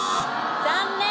残念！